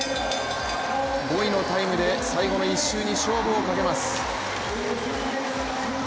５位のタイムで最後の一周に勝負をかけます。